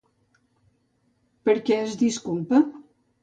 Per què es disculpa?